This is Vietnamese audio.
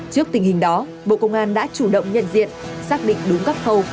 trước tình hình đó bộ công an đã chủ động nhận diện xác định đúng các khâu